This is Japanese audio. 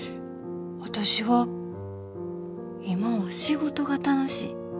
私は今は仕事が楽しい。